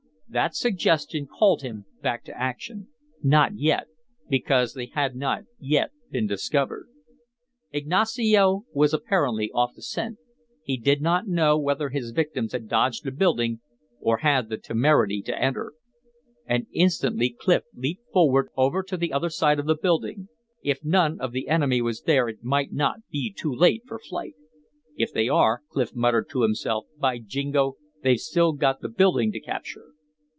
That suggestion called him back to action. Not yet because they had not yet been discovered. Ignacio was apparently off the scent; he did not know whether his victims had dodged the building or had the temerity to enter. And instantly Clif leaped forward, over to the other side of the building. If none of the enemy was there it might not be too late for flight. "If they are," Clif muttered to himself, "by jingo, they've still got the building to capture."